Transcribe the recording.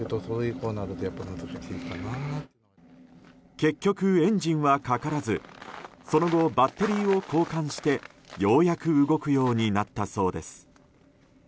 結局、エンジンはかからずその後バッテリーを交換してようやく動くようになったそうです。